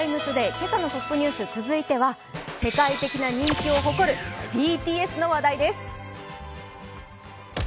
今朝のトップニュース、続いては世界的な人気を誇るＢＴＳの話題です。